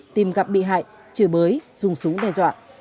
tìm gặp bị hại chửi bới dùng súng đe dọa